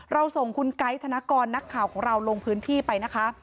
ส่งคุณไกด์ธนกรนักข่าวของเราลงพื้นที่ไปนะคะ